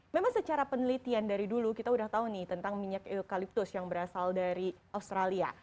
memang secara penelitian dari dulu kita udah tahu nih tentang minyak eukaliptus yang berasal dari australia